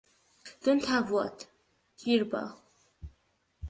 Don't have what, dear Pa?